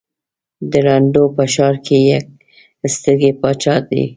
د ړندو په ښآر کې يک سترگى باچا دى.